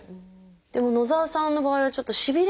でも野澤さんの場合はちょっとしびれがね